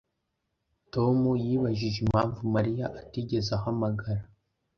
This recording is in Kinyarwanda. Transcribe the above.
Tom yibajije impamvu Mariya atigeze ahamagara